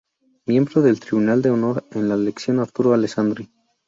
Miembro del Tribunal de Honor en la elección Arturo Alessandri.